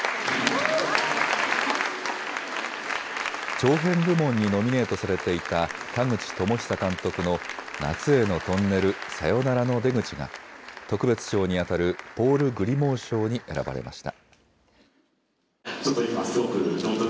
長編部門にノミネートされていた田口智久監督の夏へのトンネル、さよならの出口が特別賞にあたるポール・グリモー賞に選ばれました。